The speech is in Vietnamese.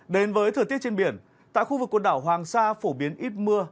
đến với thời tiết trên biển tại khu vực quần đảo hoàng sa phổ biến ít mưa